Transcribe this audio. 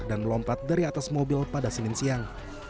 dan melompat dari atas mobil pada sinin siang